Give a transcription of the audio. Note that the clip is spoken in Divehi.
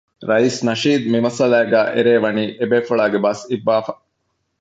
ރައީސް ނަޝީދު މިމައްސަލާގައި އެރޭ ވަނީ އެބޭފުޅާގެ ބަސް އިއްވާފަ